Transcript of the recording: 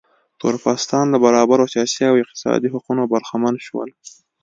تور پوستان له برابرو سیاسي او اقتصادي حقونو برخمن شول.